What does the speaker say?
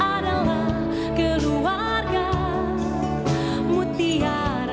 sayaailedah abang yang amat mesyuara